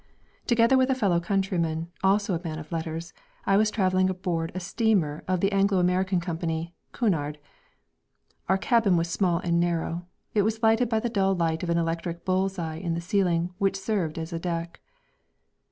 Together with a fellow countryman, also a man of letters, I was travelling aboard a steamer of the Anglo American Company, "Cunard." Our cabin was small and narrow. It was lighted by the dull light of an electric bull's eye in the ceiling which served as a deck.